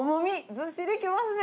ずっしりきますね。